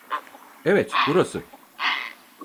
Evet, burası.